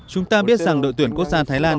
chúng ta biết rằng đội tuyển quốc gia thái lan